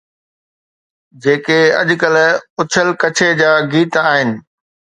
جيڪي اڄڪلهه اڇل ڪڇي جا گيت آهن.